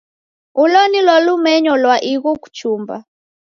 Ulo nilo lumenyo lwa ighu kuchumba.